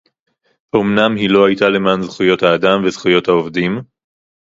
אומנם היא לא היתה למען זכויות האדם וזכויות העובדים